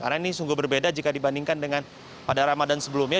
karena ini sungguh berbeda jika dibandingkan dengan pada ramadan sebelumnya